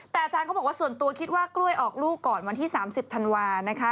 แต่อาจารย์เขาบอกว่าส่วนตัวคิดว่ากล้วยออกลูกก่อนวันที่๓๐ธันวานะคะ